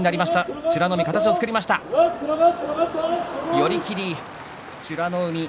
寄り切り、美ノ海。